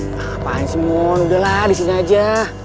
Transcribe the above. ngapain sih mon udah lah disini aja